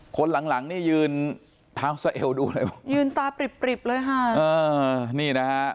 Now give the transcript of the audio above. คนหลังอยู่ในเท้าสาเอวยืนตาปริบค่ะ